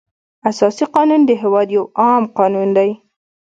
اساسي قانون د هېواد یو عام قانون دی.